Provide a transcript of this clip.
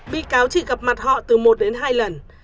bị cáo chỉ gặp mặt họ từ một đến hai lần